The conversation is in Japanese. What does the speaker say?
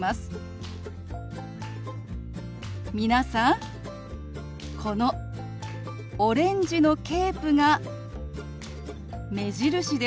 皆さんこのオレンジのケープが目印です。